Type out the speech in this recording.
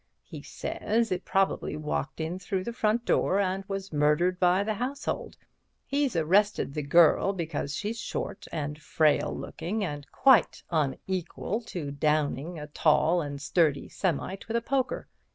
He says it probably walked in through the front door and was murdered by the household. He's arrested the girl because she's short and frail looking and quite unequal to downing a tall and sturdy Semite with a poker.